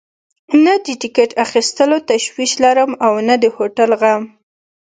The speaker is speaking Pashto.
نه د ټکټ اخیستلو تشویش لرم او نه د هوټل غم.